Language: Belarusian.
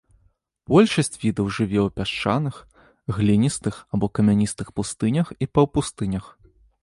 Большасць відаў жыве ў пясчаных, гліністых або камяністых пустынях і паўпустынях.